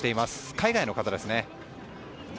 海外の方ですね。